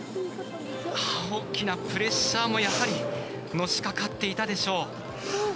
大きなプレッシャーもやはりのしかかっていたでしょう。